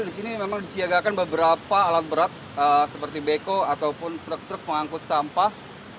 di sini memang disiagakan beberapa alat berat seperti beko ataupun truk truk pengangkut sampah